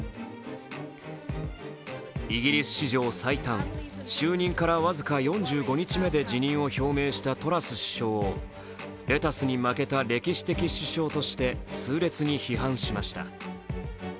イギリス史上最短、就任から僅か４５日目で辞任を表明したトラス首相をレタスに負けた歴史的首相として痛烈に批判しました。